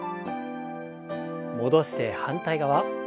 戻して反対側。